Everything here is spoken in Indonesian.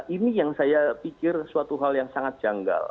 ini yang saya pikir suatu hal yang sangat janggal